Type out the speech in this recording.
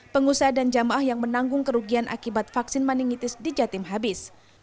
pengusaha dan jamaah yang menanggung kerugian akibat vaksin meningitis di jatim habis